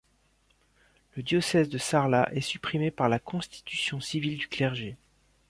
Le diocèse de Sarlat est supprimé par la Constitution civile du clergé.